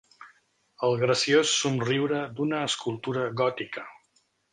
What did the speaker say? El graciós somriure d'una escultura gòtica.